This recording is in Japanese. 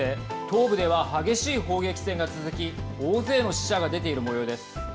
東部では激しい砲撃戦が続き大勢の死者が出ているもようです。